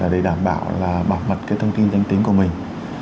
để đảm bảo là bảo mật cái thông tin danh tính của mình